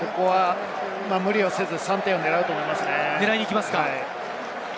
無理をせず３点を狙うと思いますね。